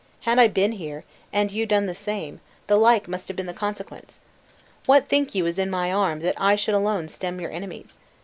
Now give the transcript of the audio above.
Had I been here, and you done the same, the like must have been the consequence. What think you is in my arm, that I should alone stem your enemies?